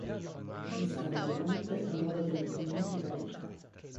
Dista mediamente un'ora e venti minuti da Ica.